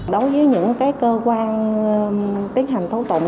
đối với những cơ quan tiến hành thấu tụng